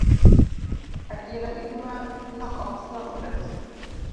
Adiera ngima no ok gombre.